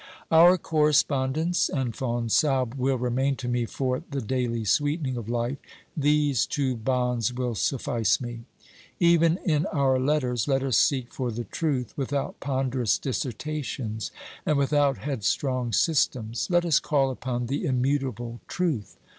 Our correspondence and Fonsalbe will remain to me for the daily sweetening of life ; these two bonds will suffice me. Even in our letters let us seek for the truth without ponderous dissertations and without headstrong systems : let us call upon the immutable truth.